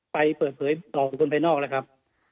ไปเปิดเผยต่อคนไปนอกละครับ